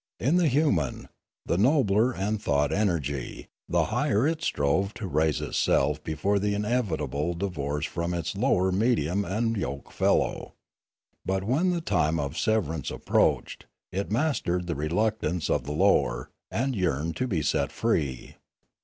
In the human, the nobler the thought energy, the higher it strove to raise itself before the inevitable divorce from its lower medium and yoke fellow. But when the time of sever ance approached, it mastered the reluctance of the lower, and yearned to be set free.